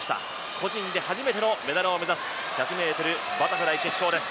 個人で初めてのメダルを目指す、１００ｍバタフライ決勝。